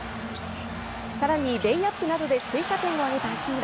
更に、レイアップなどで追加点を挙げた八村。